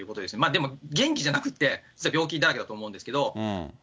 でも元気じゃなくて、実は病気だらけだと思うんですけど。